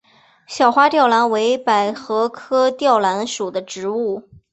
小花吊兰为百合科吊兰属的植物。